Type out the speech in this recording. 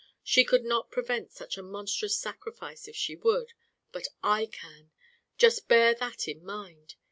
She could not prevent such a monstrous sacrifice if she would, but I can. Just bear that in mind.